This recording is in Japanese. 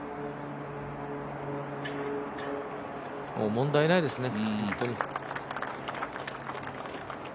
問題ないですね。